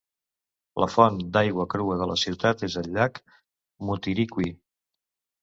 La font d'aigua crua de la ciutat és el llac Mutirikwi.